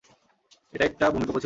এটা একটা ভূমিকম্প ছিল!